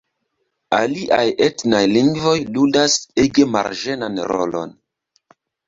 Aliaj etnaj lingvoj ludas ege marĝenan rolon.